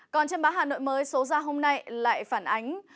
còn trên báo hà nội mới số ra hôm nay lại phản ánh